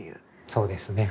そうですね。